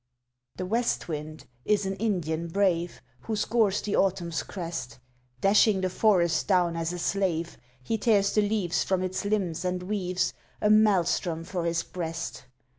The West Wind is an Indian brave Who scours the Autumn's crest. Dashing the forest down as a slave, He tears the leaves from its limbs and weaves A maelstrom for his breast.